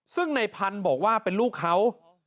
ซึ่งในพันธุ์บอกว่าเป็นลูกเขา